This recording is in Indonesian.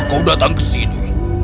kau datang ke sini